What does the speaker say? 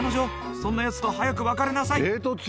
そんなヤツと早く別れなさい